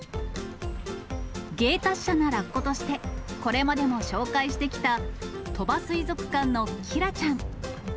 芸達者なラッコとして、これまでも紹介してきた、鳥羽水族館のキラちゃん。